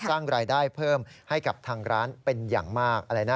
สร้างรายได้เพิ่มให้กับทางร้านเป็นอย่างมากอะไรนะ